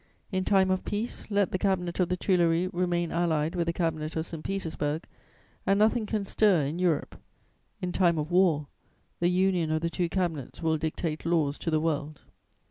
In time of peace, let the Cabinet of the Tuileries remain allied with the Cabinet of St. Petersburg, and nothing can stir in Europe. In time of war, the union of the two Cabinets will dictate laws to the world.